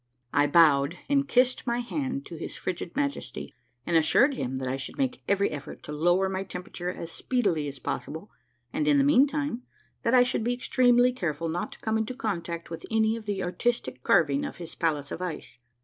I bowed and kissed my hand to his frigid Majesty, and assured him that I should make every effort to lower my temperature as speedily as possible, and, in the mean time, that I should be extremely careful not to come into contact with any of the artistic carving of his palace of ice.